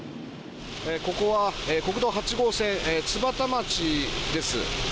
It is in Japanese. ここは国道８号線津幡町です。